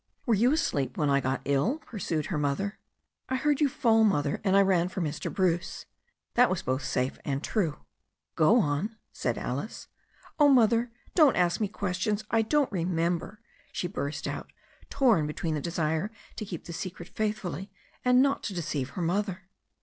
"Were you asleep when I got ill ?" pursued her mother. THE STORY OF A NEW ZEALAND RIVER 97 "I heard you fall, Mother, and I ran for Mr. Bruce." That was both safe and true. 'Go on," said Alice. 'Oh, Mother, don't ask me questions. I don't remember," she burst out, torn between the desire to keep the secret faithfully, and not to deceive her mother.